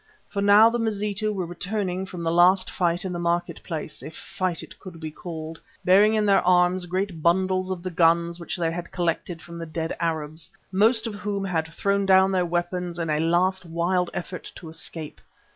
For now the Mazitu were returning from the last fight in the market place, if fight it could be called, bearing in their arms great bundles of the guns which they had collected from the dead Arabs, most of whom had thrown down their weapons in a last wild effort to escape.